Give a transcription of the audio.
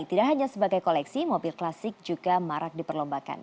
tidak hanya sebagai koleksi mobil klasik juga marak diperlombakan